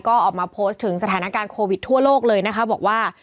ก็ออกมาโพสต์ถึงสถานการณ์โควิดทั่วโลกเลยนะคะบอกว่า